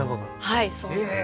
はいそうなんです。